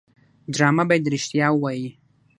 ډرامه باید رښتیا ووايي